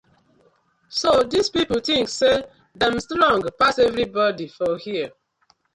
So dis pipu tink say dem strong pass everibodi for here.